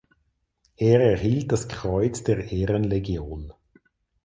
Er erhielt das Kreuz der Ehrenlegion.